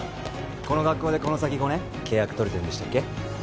この学校でこの先５年契約取れてるんでしたっけ？